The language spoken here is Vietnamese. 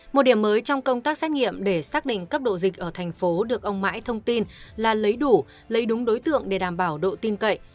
một điểm mới trong công tác xét nghiệm để xác định cấp độ dịch ở thành phố được ông mãi thông tin là lấy đủ lấy đúng đối tượng để đảm bảo độ tin cậy